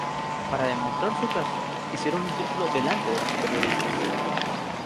Para demostrar su caso hicieron un círculo delante de los periodistas.